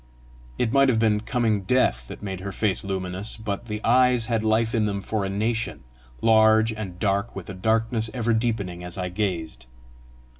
It might have been coming death that made her face luminous, but the eyes had life in them for a nation large, and dark with a darkness ever deepening as I gazed.